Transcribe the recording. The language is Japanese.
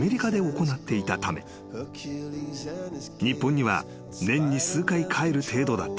［日本には年に数回帰る程度だった］